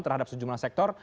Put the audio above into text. terhadap sejumlah sektor